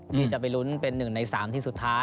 ที่จะไปลุ้นเป็น๑ใน๓ที่สุดท้าย